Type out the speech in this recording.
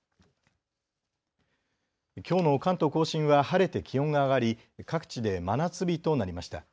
きょうの関東甲信は晴れて気温が上がり各地で真夏日となりました。